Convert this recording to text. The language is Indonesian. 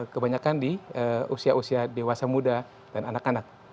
kebanyakan di usia usia dewasa muda dan anak anak